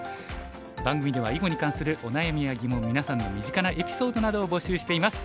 番組では囲碁に関するお悩みや疑問みなさんの身近なエピソードなどを募集しています。